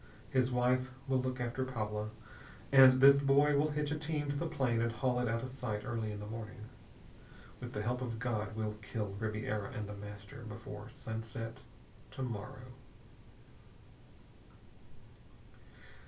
His wife will look after Paula, and this boy will hitch a team to the plane and haul it out of sight early in the morning. With the help of God, we'll kill Ribiera and The Master before sunset to morrow."